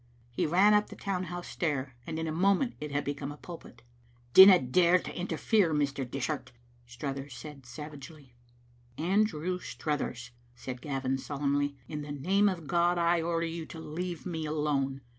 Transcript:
He ran up the town house .stair, and in a moment it had become a pulpit. "Dinna dare to interfere, Mr. Dishart," Struthers said savagely. "Andrew Struthers," said Gavin solemnly, "in the name of God I order you to leave me alone.